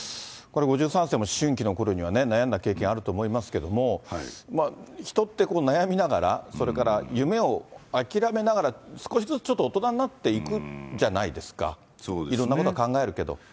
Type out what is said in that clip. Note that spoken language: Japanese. これ、５３世も思春期のころには悩んだ経験あると思いますけれども、人って悩みながら、それから夢を諦めながら、少しずつちょっと大人になっていくじゃないですか、いろんなことは考えるけど。